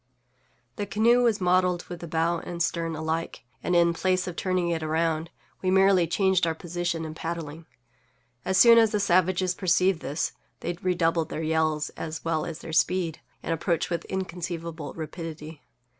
The canoe was modelled with the bow and stern alike, and, in place of turning it around, we merely changed our position in paddling. As soon as the savages perceived this they redoubled their yells, as well as their speed, and approached with inconceivable rapidity.